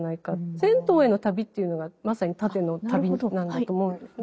銭湯への旅っていうのがまさに縦の旅なんだと思うんですね。